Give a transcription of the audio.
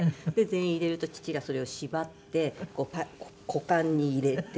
全員入れると父がそれを縛って股間に入れて。